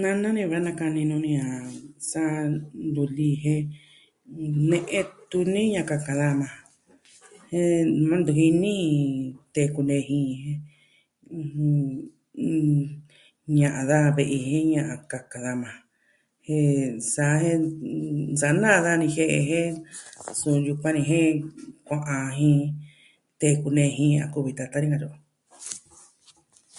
Nana ni va nakani nuu ni a sa luli jen ne'e tuni ñakaka da majan. Jen nanta jin ni tee kuneji... ɨjɨn... mm... ña'an daa ve'i jin ña'an kaka daa maa. Jen nsaa d... Nsaa naa daa nijie'e je, suu yukuan ni jen kua'a jin tee kuneji a kuvi tata katyi o.